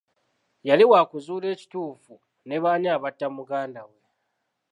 Yali wakuzuula ekituufu ne baani abatta muganda we.